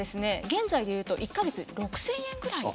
現在で言うと１か月６，０００円くらい。